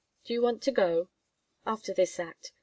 Do you want to go?" "After this act.